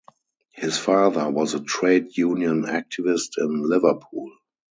His father was a trade union activist in Liverpool.